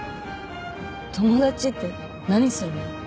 友達って何するの？